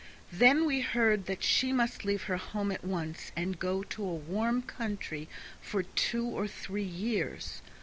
Then we heard that she must leave her home at once, and go to a warm country for two or three years.